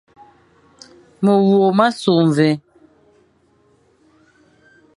Mewur ma sukh mvi,